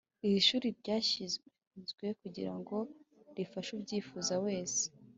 iri shuri ryashinzwe kugirango rifashe ubyifuza wese